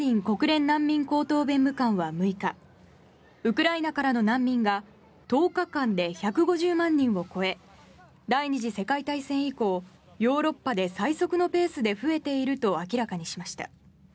国連難民高等弁務官は６日ウクライナからの難民が１０日間で１５０万人を超え第２次世界大戦以降ヨーロッパで最速のペースで増えていると明らかにしました。